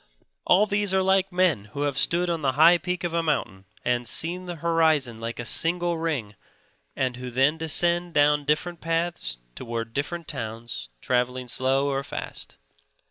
All these are like men who have stood on the high peak of a mountain and seen the horizon like a single ring and who then descend down different paths towards different towns, traveling slow or fast.